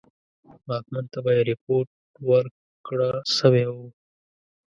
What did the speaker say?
واکمن ته به یې رپوټ ورکړه سوی وو.